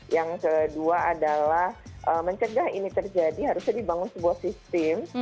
yang kedua adalah mencegah ini terjadi harusnya dibangun sebuah sistem